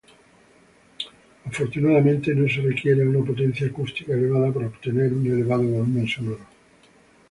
Afortunadamente, no se requiere una potencia acústica elevada para obtener un elevado volumen sonoro.